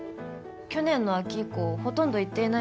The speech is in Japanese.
去年の秋以降ほとんど行っていないみたいです。